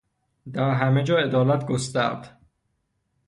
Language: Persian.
درهمه جا عدالت گسترد